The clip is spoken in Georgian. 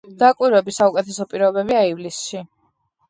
დაკვირვების საუკეთესო პირობებია ივლისში.